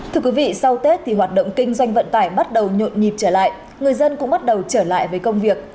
thưa quý vị sau tết thì hoạt động kinh doanh vận tải bắt đầu nhộn nhịp trở lại người dân cũng bắt đầu trở lại với công việc